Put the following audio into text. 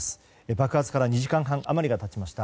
爆発から２時間半余りが経ちました。